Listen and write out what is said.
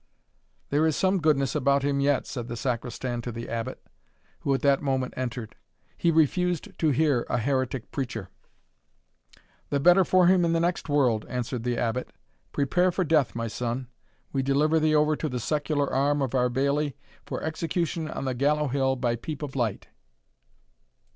"There is some goodness about him yet," said the Sacristan to the Abbot, who at that moment entered "He refused to hear a heretic preacher." "The better for him in the next world," answered the Abbot. "Prepare for death, my son, we deliver thee over to the secular arm of our bailie, for execution on the Gallow hill by peep of light."